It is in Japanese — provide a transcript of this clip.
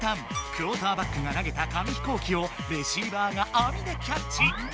クオーターバックが投げた紙飛行機をレシーバーがあみでキャッチ。